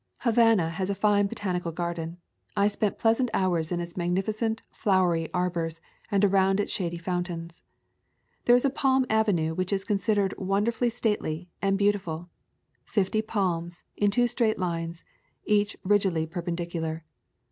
Havana has a fine botanical garden. I spent pleasant hours in its magnificent flowery ar bors and around its shady fountains. There is a palm avenue which is considered wonder fully stately and beautiful, fifty palms in two straight lines, each rigidly perpendicular.